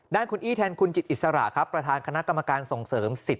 ด้านคุณอี้แทนคุณจิตอิสระครับประธานคณะกรรมการส่งเสริมสิทธิ